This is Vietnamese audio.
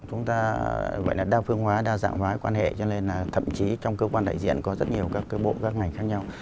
chúng ta gọi là đa phương hóa đa dạng hóa quan hệ cho nên là thậm chí trong cơ quan đại diện có rất nhiều các cái bộ các ngành khác nhau